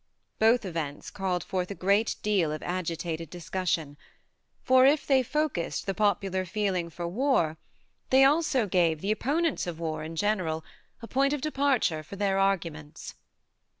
Both events called forth a great deal of agitated discussion, for if theyfocussed the popular feeling for war, they also 48 THE MARNE gave the opponents of war in general a point of departure for their arguments.